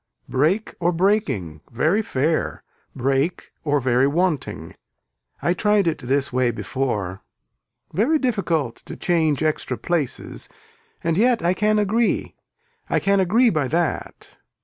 Break or breaking, very fair, break or very wanting. I tried it this way before. Very difficult to change extra places and yet I can agree. I can agree by that.